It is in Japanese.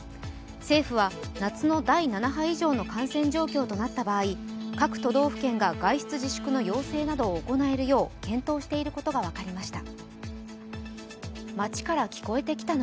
政府は夏の第７波以上の感染状況となった場合、各都道府県が外出自粛の要請などを行えるよう検討していることが分かりました。